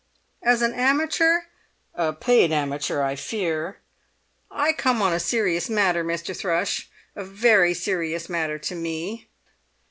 "As an amateur?" "A paid amateur, I fear." "I come on a serious matter, Mr. Thrush—a very serious matter to me!"